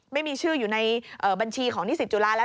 ไม่มีชื่ออยู่ในบัญชีของนิสิตจุฬาแล้ว